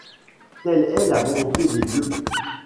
Telle est la volonté des dieux.